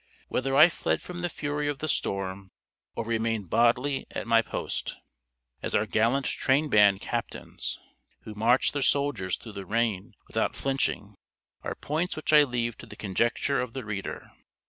Whether I fled from the fury of the storm, or remained bodly at my post, as our gallant train band captains, who march their soldiers through the rain without flinching, are points which I leave to the conjecture of the reader.